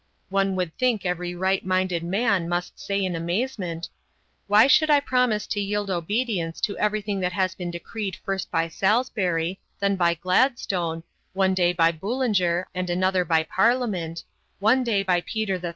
One would think every right minded man must say in amazement: "Why should I promise to yield obedience to everything that has been decreed first by Salisbury, then by Gladstone; one day by Boulanger, and another by Parliament; one day by Peter III.